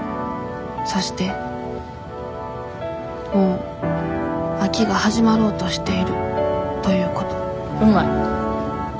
そしてもう秋が始まろうとしているということうまい。